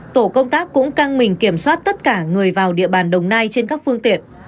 tổ công tác cũng căng mình kiểm soát tất cả người vào địa bàn đồng nai trên các phương tiện